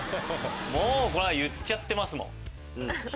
もうこれは言っちゃってますもん。